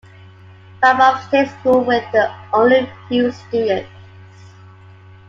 Marlborough State School with only a few students.